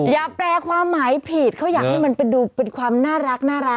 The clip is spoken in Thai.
แปลความหมายผิดเขาอยากให้มันดูเป็นความน่ารัก